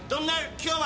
今日は。